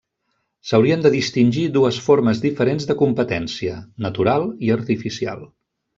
S'haurien de distingir dues formes diferents de competència: natural i artificial.